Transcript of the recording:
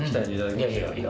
いやいやいや。